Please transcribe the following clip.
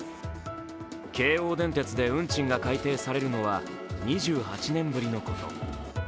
京王電鉄で運賃が改定されるのは２８年ぶりのこと。